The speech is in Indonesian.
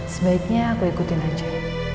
sebaiknya aku ikutin aja